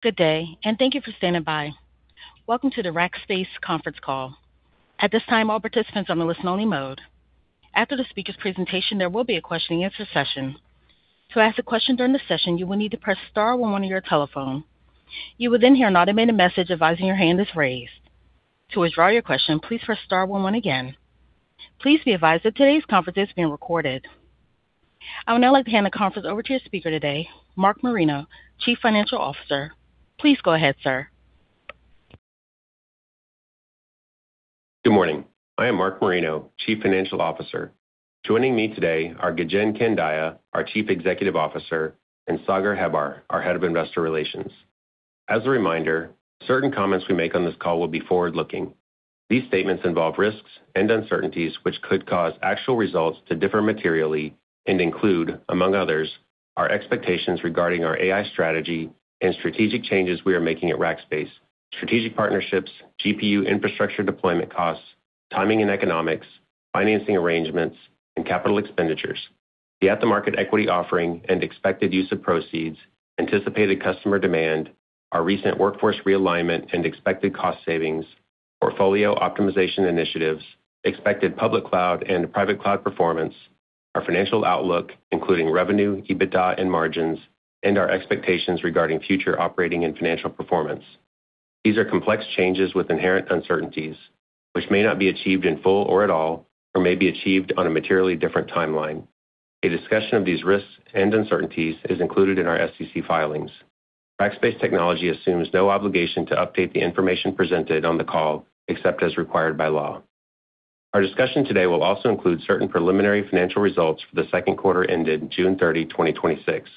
Good day, and thank you for standing by. Welcome to the Rackspace conference call. At this time, all participants are on listen-only mode. After the speaker's presentation, there will be a question and answer session. To ask a question during the session, you will need to press star one on your telephone. You will then hear an automated message advising your hand is raised. To withdraw your question, please press star one again. Please be advised that today's conference is being recorded. I would now like to hand the conference over to your speaker today, Mark Marino, Chief Financial Officer. Please go ahead, sir. Good morning. I am Mark Marino, Chief Financial Officer. Joining me today are Gajen Kandiah, our Chief Executive Officer, and Sagar Hebbar, our Head of Investor Relations. As a reminder, certain comments we make on this call will be forward-looking. These statements involve risks and uncertainties which could cause actual results to differ materially and include, among others, our expectations regarding our AI strategy and strategic changes we are making at Rackspace, strategic partnerships, GPU infrastructure deployment costs, timing and economics, financing arrangements, and capital expenditures, the at-the-market equity offering and expected use of proceeds, anticipated customer demand, our recent workforce realignment and expected cost savings, portfolio optimization initiatives, expected public cloud and private cloud performance, our financial outlook, including revenue, EBITDA, and margins, and our expectations regarding future operating and financial performance. These are complex changes with inherent uncertainties, which may not be achieved in full or at all, or may be achieved on a materially different timeline. A discussion of these risks and uncertainties is included in our SEC filings. Rackspace Technology assumes no obligation to update the information presented on the call except as required by law. Our discussion today will also include certain preliminary financial results for the second quarter ended June 30, 2026.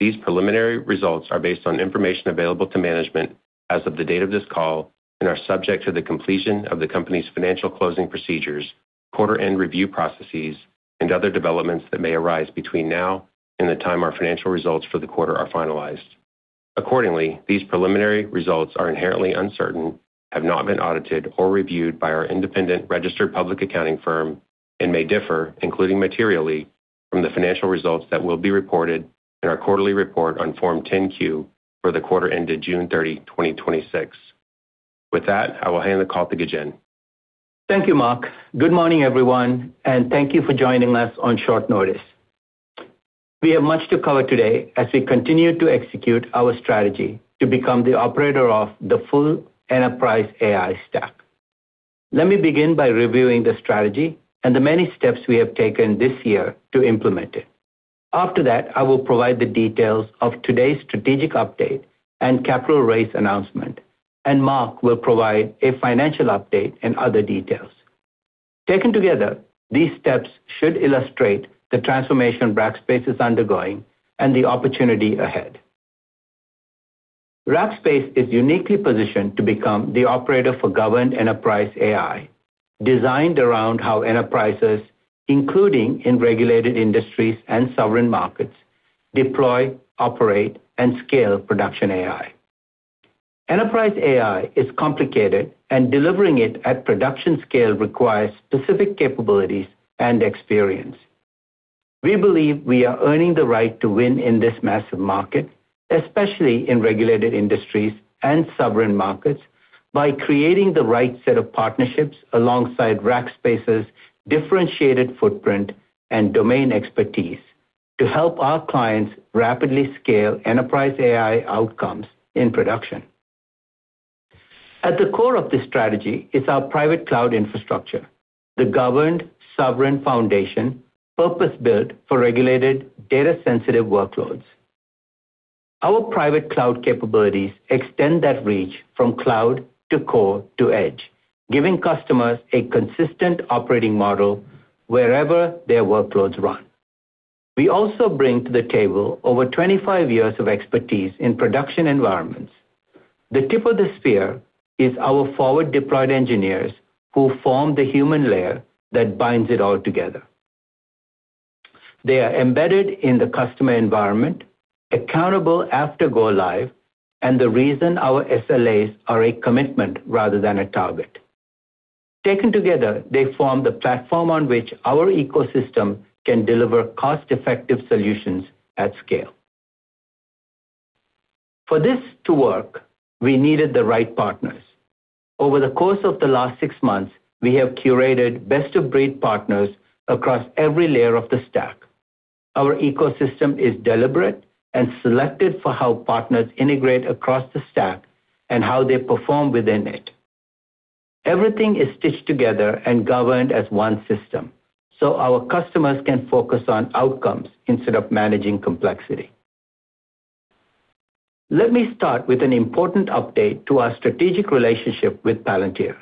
These preliminary results are based on information available to management as of the date of this call and are subject to the completion of the company's financial closing procedures, quarter-end review processes, and other developments that may arise between now and the time our financial results for the quarter are finalized. Accordingly, these preliminary results are inherently uncertain, have not been audited or reviewed by our independent registered public accounting firm, and may differ, including materially, from the financial results that will be reported in our quarterly report on Form 10-Q for the quarter ended June 30, 2026. With that, I will hand the call to Gajen. Thank you, Mark. Good morning, everyone. Thank you for joining us on short notice. We have much to cover today as we continue to execute our strategy to become the operator of the full enterprise AI stack. Let me begin by reviewing the strategy and the many steps we have taken this year to implement it. After that, I will provide the details of today's strategic update and capital raise announcement, and Mark will provide a financial update and other details. Taken together, these steps should illustrate the transformation Rackspace is undergoing and the opportunity ahead. Rackspace is uniquely positioned to become the operator for governed enterprise AI, designed around how enterprises, including in regulated industries and sovereign markets, deploy, operate, and scale production AI. Enterprise AI is complicated, and delivering it at production scale requires specific capabilities and experience. We believe we are earning the right to win in this massive market, especially in regulated industries and sovereign markets, by creating the right set of partnerships alongside Rackspace's differentiated footprint and domain expertise to help our clients rapidly scale enterprise AI outcomes in production. At the core of this strategy is our private cloud infrastructure, the governed sovereign foundation purpose-built for regulated data-sensitive workloads. Our private cloud capabilities extend that reach from cloud to core to edge, giving customers a consistent operating model wherever their workloads run. We also bring to the table over 25 years of expertise in production environments. The tip of the spear is our Forward Deployed Engineers who form the human layer that binds it all together. They are embedded in the customer environment, accountable after go live, and the reason our SLAs are a commitment rather than a target. Taken together, they form the platform on which our ecosystem can deliver cost-effective solutions at scale. For this to work, we needed the right partners. Over the course of the last six months, we have curated best-of-breed partners across every layer of the stack. Our ecosystem is deliberate and selected for how partners integrate across the stack and how they perform within it. Everything is stitched together and governed as one system so our customers can focus on outcomes instead of managing complexity. Let me start with an important update to our strategic relationship with Palantir.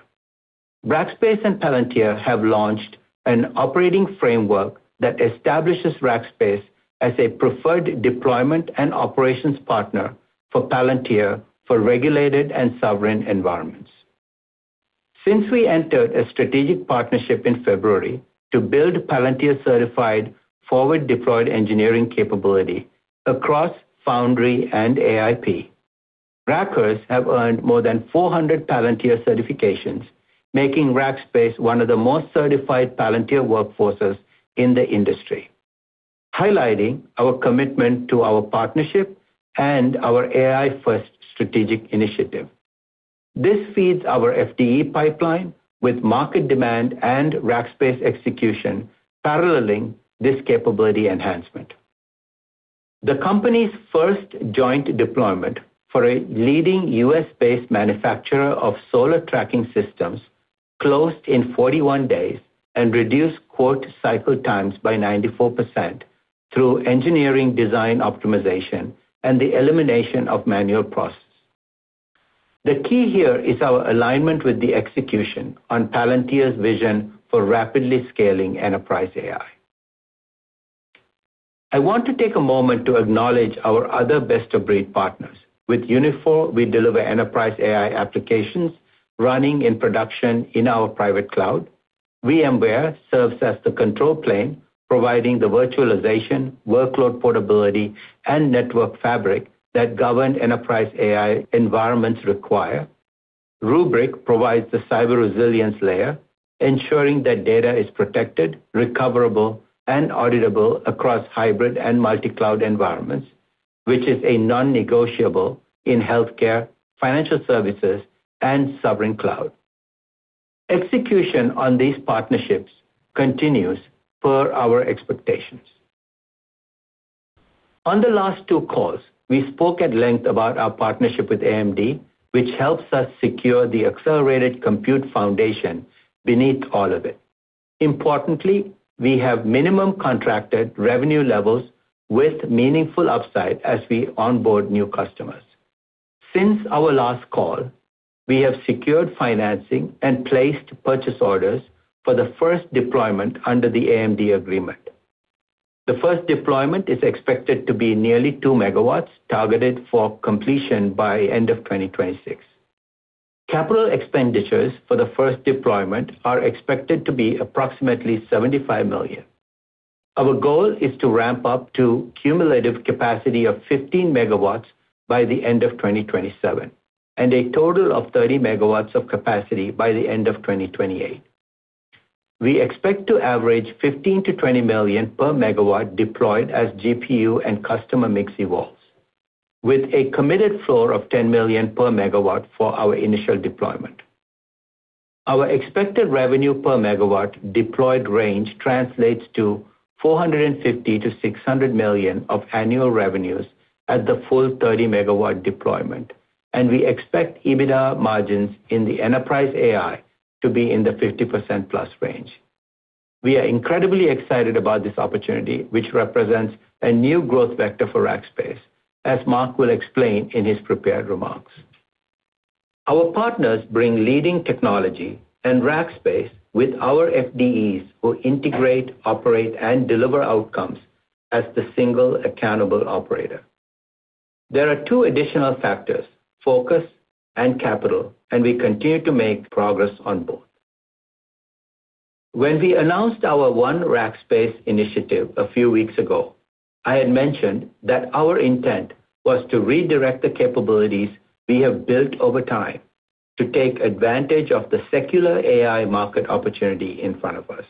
Rackspace and Palantir have launched an operating framework that establishes Rackspace as a preferred deployment and operations partner for Palantir for regulated and sovereign environments. Since we entered a strategic partnership in February to build Palantir-certified Forward Deployed Engineering capability across Foundry and AIP, Rackers have earned more than 400 Palantir certifications, making Rackspace one of the most certified Palantir workforces in the industry. Highlighting our commitment to our partnership and our AI-first Strategic Initiative. This feeds our FDE pipeline with market demand and Rackspace execution paralleling this capability enhancement. The company's first joint deployment for a leading U.S.-based manufacturer of solar tracking systems closed in 41 days and reduced quote cycle times by 94% through engineering design optimization and the elimination of manual processes. The key here is our alignment with the execution on Palantir's vision for rapidly scaling enterprise AI. I want to take a moment to acknowledge our other best-of-breed partners. With Uniphore, we deliver enterprise AI applications running in production in our private cloud. VMware serves as the control plane, providing the virtualization, workload portability, and network fabric that governed enterprise AI environments require. Rubrik provides the cyber resilience layer, ensuring that data is protected, recoverable, and auditable across hybrid and multi-cloud environments, which is a non-negotiable in healthcare, financial services, and sovereign cloud. Execution on these partnerships continues per our expectations. On the last two calls, we spoke at length about our partnership with AMD, which helps us secure the accelerated compute foundation beneath all of it. Importantly, we have minimum contracted revenue levels with meaningful upside as we onboard new customers. Since our last call, we have secured financing and placed purchase orders for the first deployment under the AMD agreement. The first deployment is expected to be nearly two MW, targeted for completion by end of 2026. Capital expenditures for the first deployment are expected to be approximately $75 million. Our goal is to ramp up to cumulative capacity of 15 MW by the end of 2027, and a total of 30 MW of capacity by the end of 2028. We expect to average $15 million to $20 million per megawatt deployed as GPU and customer mix evolves, with a committed floor of $10 million per megawatt for our initial deployment. Our expected revenue per megawatt deployed range translates to $450 million to $600 million of annual revenues at the full 30-megawatt deployment, and we expect EBITDA margins in the enterprise AI to be in the 50%+ range. We are incredibly excited about this opportunity, which represents a new growth vector for Rackspace, as Mark will explain in his prepared remarks. Our partners bring leading technology and Rackspace with our FDEs, who integrate, operate, and deliver outcomes as the single accountable operator. There are two additional factors, focus and capital. We continue to make progress on both. When we announced our One Rackspace initiative a few weeks ago, I had mentioned that our intent was to redirect the capabilities we have built over time to take advantage of the secular AI market opportunity in front of us.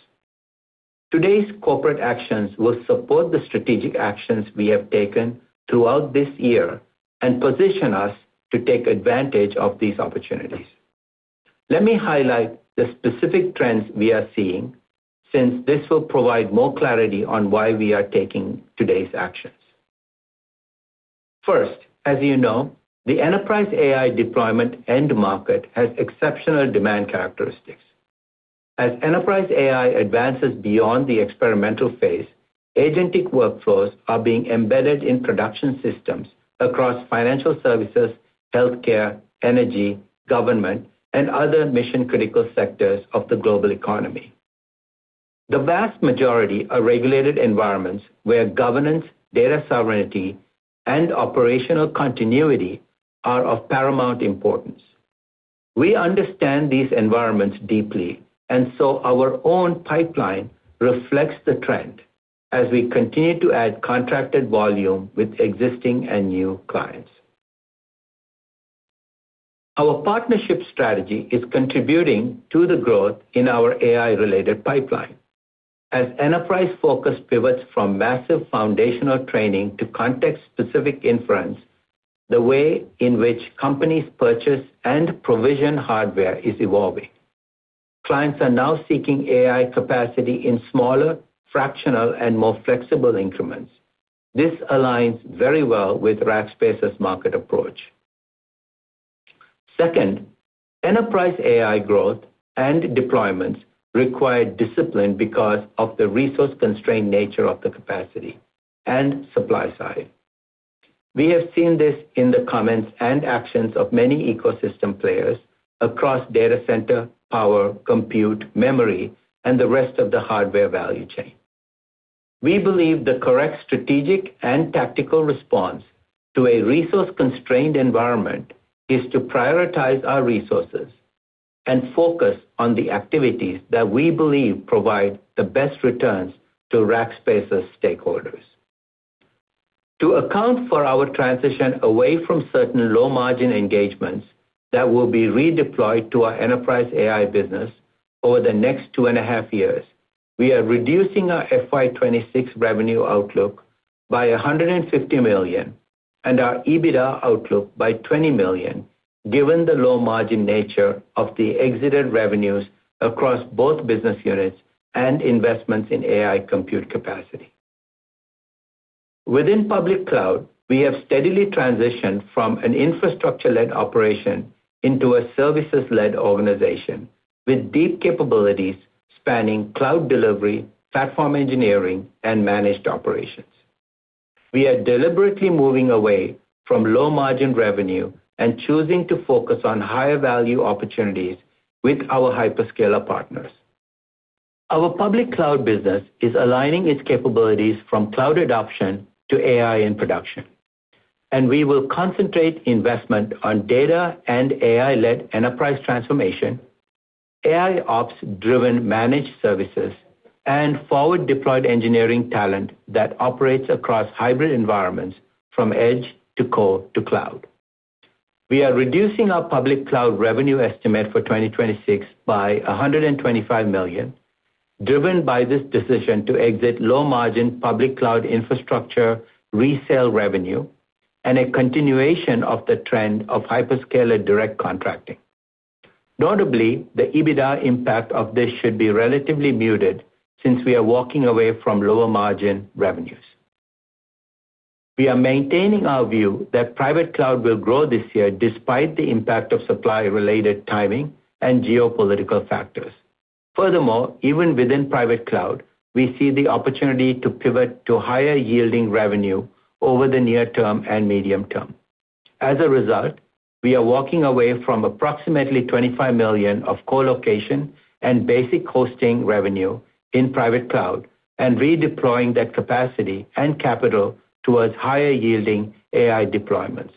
Today's corporate actions will support the strategic actions we have taken throughout this year and position us to take advantage of these opportunities. Let me highlight the specific trends we are seeing, since this will provide more clarity on why we are taking today's actions. First, as you know, the enterprise AI deployment end market has exceptional demand characteristics. As enterprise AI advances beyond the experimental phase, agentic workflows are being embedded in production systems across financial services, healthcare, energy, government, and other mission-critical sectors of the global economy. The vast majority are regulated environments where governance, data sovereignty, and operational continuity are of paramount importance. We understand these environments deeply. Our own pipeline reflects the trend as we continue to add contracted volume with existing and new clients. Our partnership strategy is contributing to the growth in our AI-related pipeline. As enterprise focus pivots from massive foundational training to context-specific inference, the way in which companies purchase and provision hardware is evolving. Clients are now seeking AI capacity in smaller, fractional, and more flexible increments. This aligns very well with Rackspace's market approach. Second, enterprise AI growth and deployments require discipline because of the resource-constrained nature of the capacity and supply side. We have seen this in the comments and actions of many ecosystem players across data center, power, compute, memory, and the rest of the hardware value chain. We believe the correct strategic and tactical response to a resource-constrained environment is to prioritize our resources and focus on the activities that we believe provide the best returns to Rackspace's stakeholders. To account for our transition away from certain low-margin engagements that will be redeployed to our enterprise AI business over the next two and a half years, we are reducing our FY 2026 revenue outlook by $150 million and our EBITDA outlook by $20 million, given the low-margin nature of the exited revenues across both business units and investments in AI compute capacity. Within public cloud, we have steadily transitioned from an infrastructure-led operation into a services-led organization with deep capabilities spanning cloud delivery, platform engineering, and managed operations. We are deliberately moving away from low-margin revenue and choosing to focus on higher-value opportunities with our hyperscaler partners. Our public cloud business is aligning its capabilities from cloud adoption to AI and production, and we will concentrate investment on data and AI-led enterprise transformation, AI ops-driven managed services, and forward-deployed engineering talent that operates across hybrid environments from edge to core to cloud. We are reducing our public cloud revenue estimate for 2026 by $125 million, driven by this decision to exit low-margin public cloud infrastructure resale revenue and a continuation of the trend of hyperscaler direct contracting. Notably, the EBITDA impact of this should be relatively muted since we are walking away from lower-margin revenues. We are maintaining our view that private cloud will grow this year despite the impact of supply-related timing and geopolitical factors. Furthermore, even within private cloud, we see the opportunity to pivot to higher-yielding revenue over the near term and medium term. As a result, we are walking away from approximately $25 million of colocation and basic hosting revenue in private cloud and redeploying that capacity and capital towards higher-yielding AI deployments.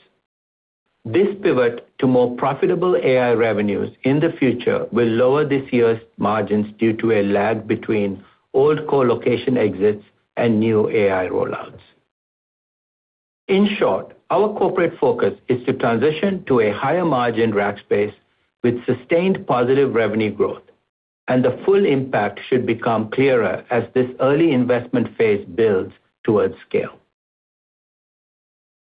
This pivot to more profitable AI revenues in the future will lower this year's margins due to a lag between old colocation exits and new AI rollouts. In short, our corporate focus is to transition to a higher-margin Rackspace with sustained positive revenue growth, and the full impact should become clearer as this early investment phase builds towards scale.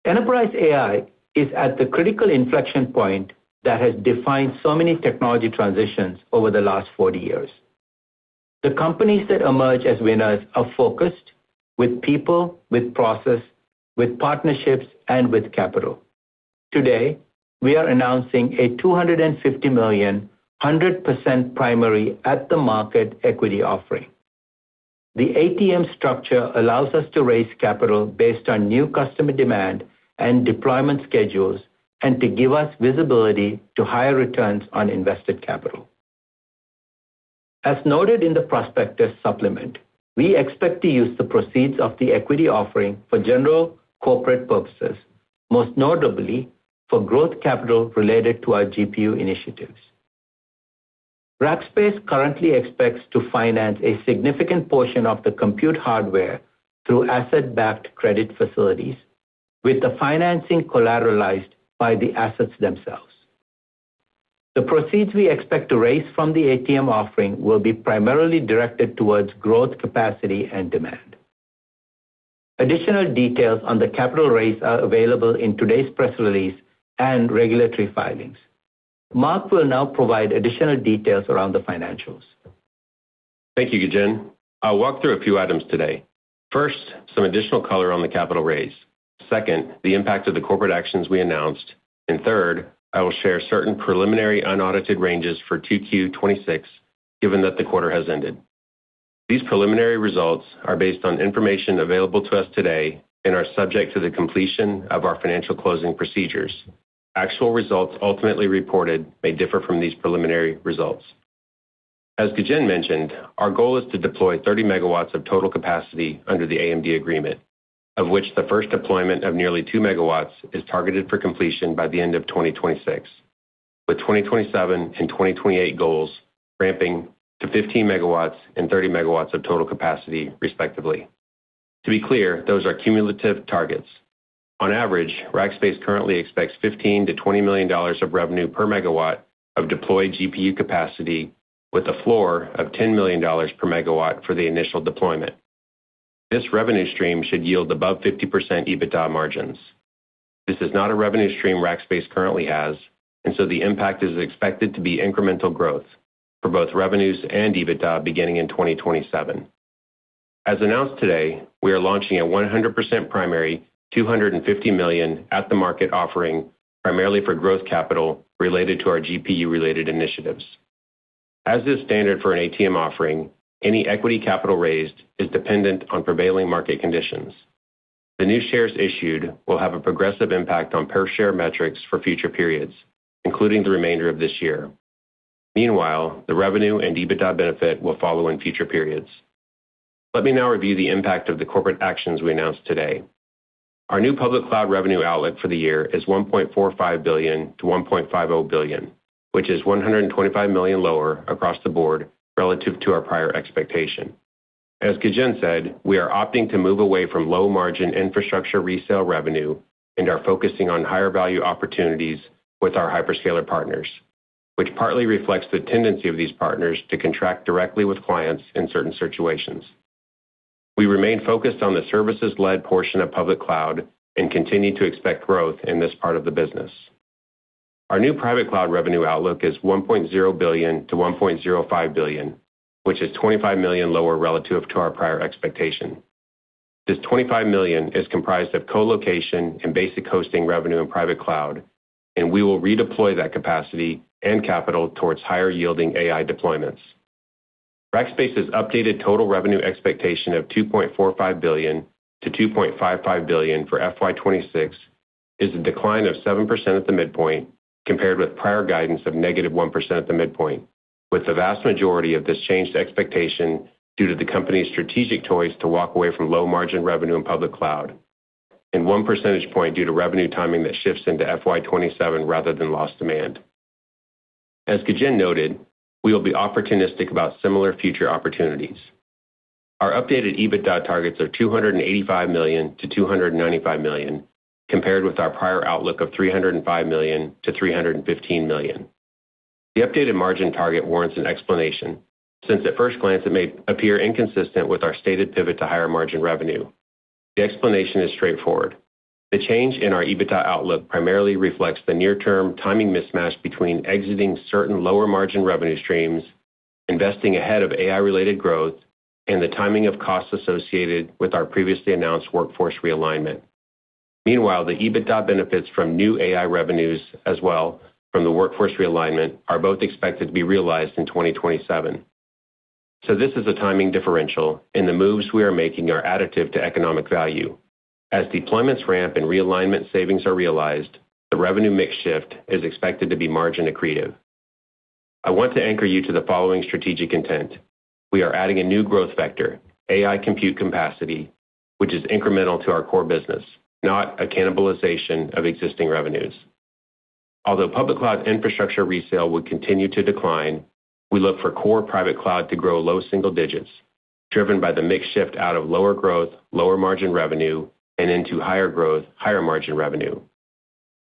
Enterprise AI is at the critical inflection point that has defined so many technology transitions over the last 40 years. The companies that emerge as winners are focused with people, with process, with partnerships, and with capital. Today, we are announcing a $250 million, 100% primary at-the-market equity offering. The ATM structure allows us to raise capital based on new customer demand and deployment schedules and to give us visibility to higher returns on invested capital. As noted in the prospectus supplement, we expect to use the proceeds of the equity offering for general corporate purposes, most notably for growth capital related to our GPU initiatives. Rackspace currently expects to finance a significant portion of the compute hardware through asset-backed credit facilities with the financing collateralized by the assets themselves. The proceeds we expect to raise from the ATM offering will be primarily directed towards growth capacity and demand. Additional details on the capital raise are available in today's press release and regulatory filings. Mark will now provide additional details around the financials. Thank you, Gajen. I'll walk through a few items today. First, some additional color on the capital raise. Second, the impact of the corporate actions we announced. Third, I will share certain preliminary unaudited ranges for 2Q26, given that the quarter has ended. These preliminary results are based on information available to us today and are subject to the completion of our financial closing procedures. Actual results ultimately reported may differ from these preliminary results. As Gajen mentioned, our goal is to deploy 30 MW of total capacity under the AMD agreement, of which the first deployment of nearly 2 MW is targeted for completion by the end of 2026, with 2027 and 2028 goals ramping to 15 MW and 30 MW of total capacity, respectively. To be clear, those are cumulative targets. On average, Rackspace currently expects $15 million-$20 million of revenue per megawatt of deployed GPU capacity with a floor of $10 million per megawatt for the initial deployment. This revenue stream should yield above 50% EBITDA margins. This is not a revenue stream Rackspace currently has, so the impact is expected to be incremental growth for both revenues and EBITDA beginning in 2027. As announced today, we are launching a 100% primary, $250 million at-the-market offering primarily for growth capital related to our GPU-related initiatives. As is standard for an ATM offering, any equity capital raised is dependent on prevailing market conditions. The new shares issued will have a progressive impact on per-share metrics for future periods, including the remainder of this year. Meanwhile, the revenue and EBITDA benefit will follow in future periods. Let me now review the impact of the corporate actions we announced today. Our new public cloud revenue outlook for the year is $1.45 billion-$1.50 billion, which is $125 million lower across the board relative to our prior expectation. As Gajen said, we are opting to move away from low-margin infrastructure resale revenue and are focusing on higher-value opportunities with our hyperscaler partners, which partly reflects the tendency of these partners to contract directly with clients in certain situations. We remain focused on the services-led portion of public cloud and continue to expect growth in this part of the business. Our new private cloud revenue outlook is $1.0 billion-$1.05 billion, which is $25 million lower relative to our prior expectation. This $25 million is comprised of co-location and basic hosting revenue in private cloud, we will redeploy that capacity and capital towards higher-yielding AI deployments. Rackspace's updated total revenue expectation of $2.45 billion-$2.55 billion for FY 2026 is a decline of 7% at the midpoint compared with prior guidance of negative 1% at the midpoint, with the vast majority of this changed expectation due to the company's strategic choice to walk away from low-margin revenue in public cloud, and one percentage point due to revenue timing that shifts into FY 2027 rather than lost demand. As Gajen noted, we will be opportunistic about similar future opportunities. Our updated EBITDA targets are $285 million-$295 million, compared with our prior outlook of $305 million-$315 million. The updated margin target warrants an explanation, since at first glance, it may appear inconsistent with our stated pivot to higher-margin revenue. The explanation is straightforward. The change in our EBITDA outlook primarily reflects the near-term timing mismatch between exiting certain lower-margin revenue streams, investing ahead of AI-related growth, and the timing of costs associated with our previously announced workforce realignment. Meanwhile, the EBITDA benefits from new AI revenues as well from the workforce realignment are both expected to be realized in 2027. This is a timing differential, and the moves we are making are additive to economic value. As deployments ramp and realignment savings are realized, the revenue mix shift is expected to be margin accretive. I want to anchor you to the following strategic intent. We are adding a new growth vector, AI compute capacity, which is incremental to our core business, not a cannibalization of existing revenues. Although public cloud infrastructure resale will continue to decline, we look for core private cloud to grow low single digits, driven by the mix shift out of lower growth, lower margin revenue, and into higher growth, higher margin revenue.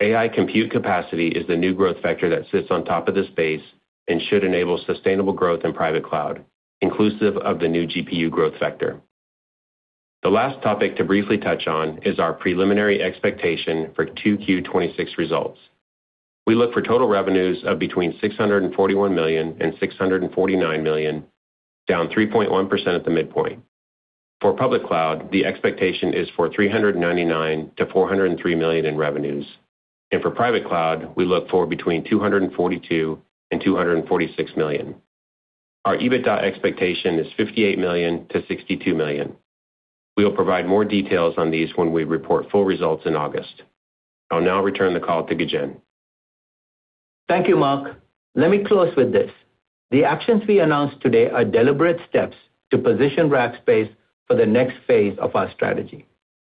AI compute capacity is the new growth vector that sits on top of this space and should enable sustainable growth in private cloud, inclusive of the new GPU growth vector. The last topic to briefly touch is our preliminary expectation for 2Q 2026 results. We look for total revenues of between $641 million and $649 million, down 3.1% at the midpoint. For public cloud, the expectation is for $399 million to $403 million in revenues. For private cloud, we look for between $242 million and $246 million. Our EBITDA expectation is $58 million to $62 million. We will provide more details on these when we report full results in August. I'll now return the call to Gajen. Thank you, Mark. Let me close with this. The actions we announced today are deliberate steps to position Rackspace for the next phase of our strategy.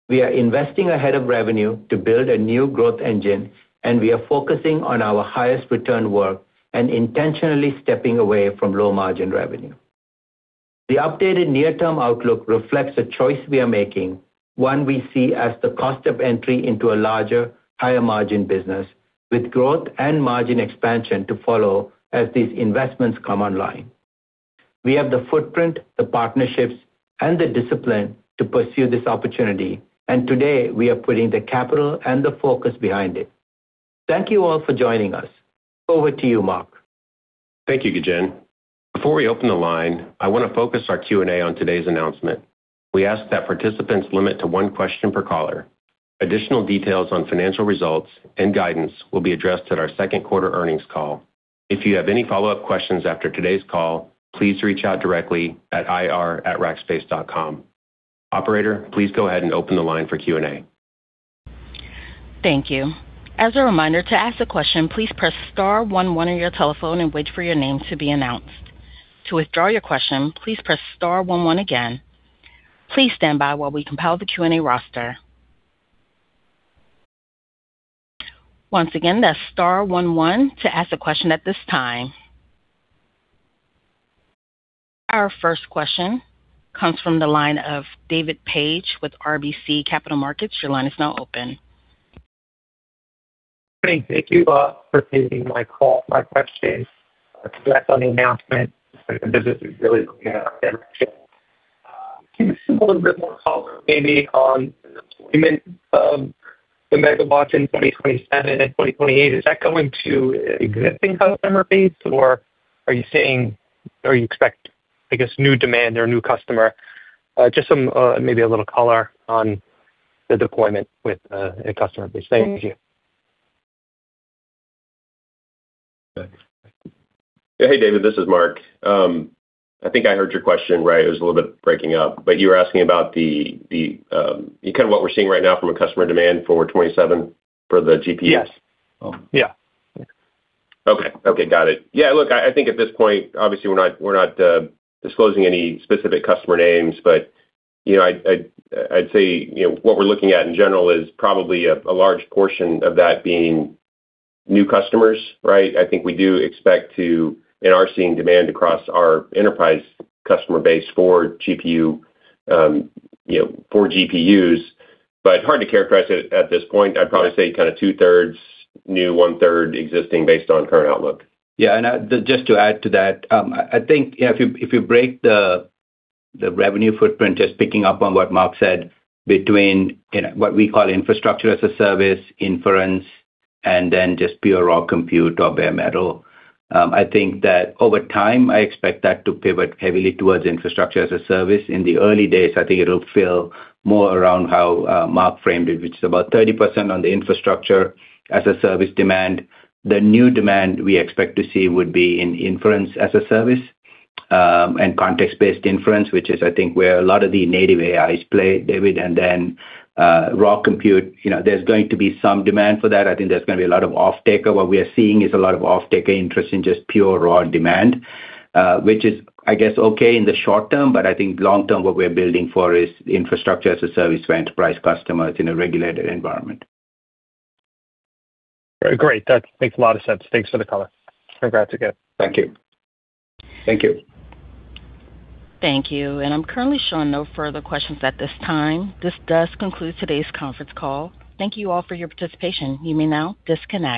We are investing ahead of revenue to build a new growth engine, and we are focusing on our highest return work and intentionally stepping away from low-margin revenue. The updated near-term outlook reflects a choice we are making, one we see as the cost of entry into a larger, higher-margin business with growth and margin expansion to follow as these investments come online. We have the footprint, the partnerships, and the discipline to pursue this opportunity, and today we are putting the capital and the focus behind it. Thank you all for joining us. Over to you, Mark. Thank you, Gajen. Before we open the line, I want to focus our Q&A on today's announcement. We ask that participants limit to one question per caller. Additional details on financial results and guidance will be addressed at our second quarter earnings call. If you have any follow-up questions after today's call, please reach out directly at ir@rackspace.com. Operator, please go ahead and open the line for Q&A. Thank you. As a reminder, to ask a question, please press star one one on your telephone and wait for your name to be announced. To withdraw your question, please press star one one again. Please stand by while we compile the Q&A roster. Once again, that's star one one to ask a question at this time. Our first question comes from the line of David Paige with RBC Capital Markets. Your line is now open. Thanks. Thank you a lot for taking my call. My question is just on the announcement, the business is really looking in that direction. Can you just give a little bit more color maybe on the deployment of the megawatts in 2027 and 2028? Is that going to existing customer base or are you seeing, or you expect, I guess, new demand or new customer? Just some maybe a little color on the deployment with a customer base. Thank you. Hey, David, this is Mark. I think I heard your question right. It was a little bit breaking up, but you were asking about the kind of what we're seeing right now from a customer demand for 2027 for the GPUs? Yes. Yeah. Okay. Okay, got it. Yeah, look, I think at this point, obviously we're not disclosing any specific customer names, but, you know, I'd say, you know, what we're looking at in general is probably a large portion of that being new customers, right? I think we do expect to and are seeing demand across our enterprise customer base for GPU, you know, for GPUs, but hard to characterize it at this point. I'd probably say kind of two-thirds new, one-third existing based on current outlook. Just to add to that, I think if you break the revenue footprint, just picking up on what Mark said, between, you know, what we call infrastructure as a service, inference, and then just pure raw compute or bare metal, I think that over time, I expect that to pivot heavily towards infrastructure as a service. In the early days, I think it'll feel more around how Mark framed it, which is about 30% on the infrastructure as a service demand. The new demand we expect to see would be in inference as a service, and context-based inference, which is, I think, where a lot of the native AIs play, David. Then, raw compute, you know, there's going to be some demand for that. I think there's going to be a lot of offtaker. What we are seeing is a lot of offtaker interest in just pure raw demand, which is, I guess, okay in the short term, but I think long term, what we are building for is infrastructure as a service for enterprise customers in a regulated environment. Great. That makes a lot of sense. Thanks for the color. Congrats again. Thank you. Thank you. Thank you. I'm currently showing no further questions at this time. This does conclude today's conference call. Thank you all for your participation. You may now disconnect.